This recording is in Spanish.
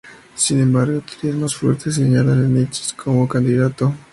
Sin embargo, teorías más fuertes señalan a Nietzsche como candidato.